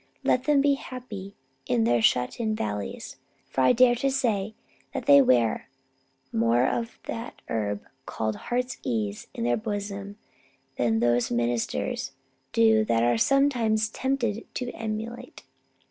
Let them be happy in their shut in valleys. For I will dare to say that they wear more of that herb called Heart's ease in their bosom than those ministers do they are sometimes tempted to emulate.